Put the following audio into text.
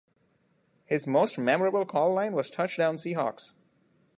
His most memorable call line was Touchdown Seahawks!